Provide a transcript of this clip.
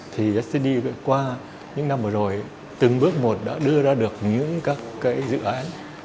thì std qua những năm vừa rồi từng bước một đã đưa ra được những các cái dự án